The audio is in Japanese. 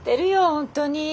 本当に。